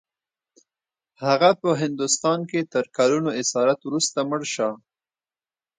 هغه په هندوستان کې تر کلونو اسارت وروسته مړ شو.